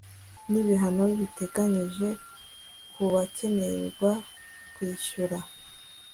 n'ibihano biteganyije kubakererwa kwishyura